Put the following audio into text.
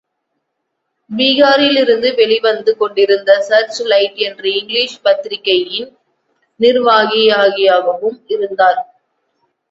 பீகாரிலிருந்து வெளிவந்து கொண்டிருந்த Searchlight என்ற இங்கிலீஷ் பத்திரிகையின் நிர்வாகியாகவும் இருந்தார்.